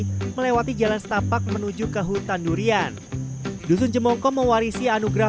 ini melewati jalan setapak menuju ke hutan durian dusun jemongko mewarisi anugerah